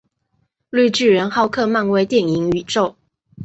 绿巨人浩克漫威电影宇宙